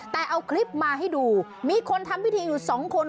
แต่เอาคลิปมาให้ดูมีคนทำพิธีอยู่สองคน